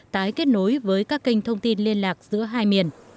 tái kết nối với các kênh thông tin liên lạc giữa hai miền